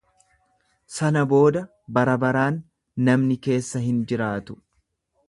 Sana booda barabaraan namni keessa hin jiraatu.